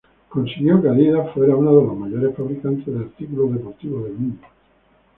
Consiguió que Adidas fuera uno de los mayores fabricantes de artículo deportivos del mundo.